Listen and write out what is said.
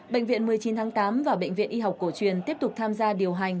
bệnh viện một mươi chín tháng tám và bệnh viện y học cổ truyền tiếp tục tham gia điều hành